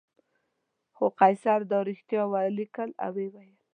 خو قیصر دا رښتیا ولیکل او وویل.